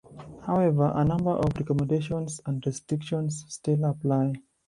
However, a number of recommendations and restrictions still apply.